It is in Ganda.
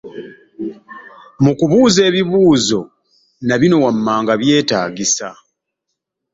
Mukubuuza ebibuuzo, nabino wammanga byetaagisa